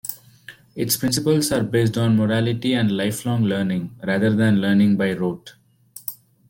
Its principles are based on morality and lifelong learning, rather than learning by rote.